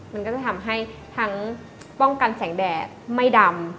มันก็จะทำให้ทั้งป้องกันแสงแดดไม่ดำ